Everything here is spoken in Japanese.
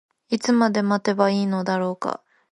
いつまで待てばいいのだろうか。